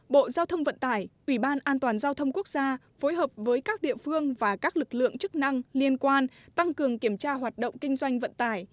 bộ giao thông vận tải ủy ban an toàn giao thông quốc gia phối hợp với các địa phương và các lực lượng chức năng liên quan tăng cường kiểm tra hoạt động kinh doanh vận tải